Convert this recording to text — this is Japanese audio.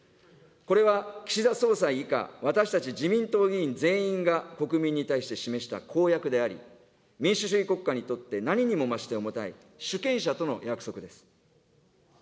これは、岸田総裁以下私たち自民党議員全員が国民に対して示した公約であり、民主主義国家にとって何にも増して重たい主権者との約束です。